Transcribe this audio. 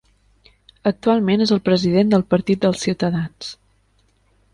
Actualment és el president del Partit dels Ciutadans.